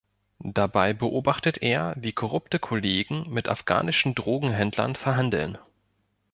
Dabei beobachtet er, wie korrupte Kollegen mit afghanischen Drogenhändlern verhandeln.